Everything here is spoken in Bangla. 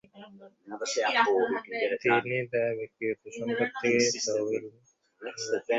তিনি তার ব্যক্তিগত সম্পদ থেকে তহবিল গঠন করেন।